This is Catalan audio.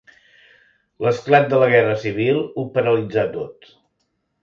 L'esclat de la guerra civil ho paralitzà tot.